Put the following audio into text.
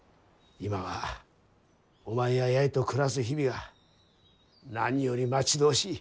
今はお前や八重と暮らす日々が何より待ち遠しい。